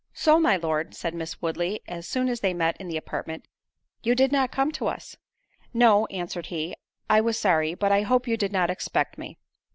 "So, my Lord," said Miss Woodley, as soon as they met in the apartment, "you did not come to us?" "No," answered he, "I was sorry; but I hope you did not expect me."